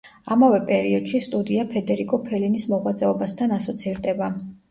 ამავე პერიოდში სტუდია ფედერიკო ფელინის მოღვაწეობასთან ასოცირდება.